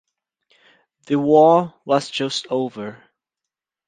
The war was just over.